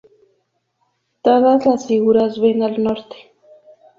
Todas las figuras ven al norte.